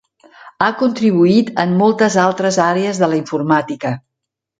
Ha contribuït en moltes altres àrees de la informàtica.